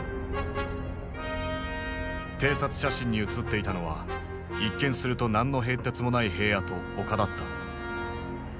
偵察写真に写っていたのは一見すると何の変哲もない平野と丘だった。